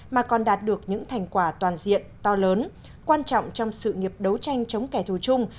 mà còn đạt được những thành quả toàn diện to lớn quan trọng trong sự nghiệp đấu tranh chống kẻ thù chung